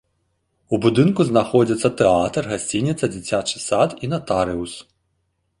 У будынку знаходзяцца тэатр, гасцініца, дзіцячы сад і натарыус.